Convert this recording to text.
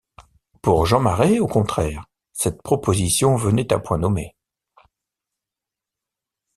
Pour Jean Marais, au contraire, cette proposition venait à point nommé.